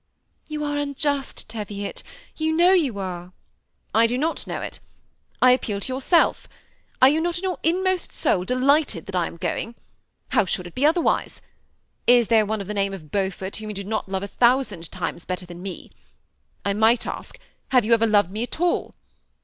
".You are unjust, Teviot, you know you are." ^' I do not know it. I appeal to yourself. Are you not in your inmost soul delighted that I am going? How should it be otherwise ? Is there one of the name of Beaufort whom you do not love a thousand times better than me ? I might ask, have you ever loved me at all?